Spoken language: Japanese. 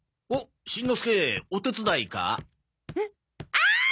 ああ！